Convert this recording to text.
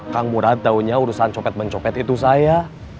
kang murad taunya urusan copet mencopet itu saya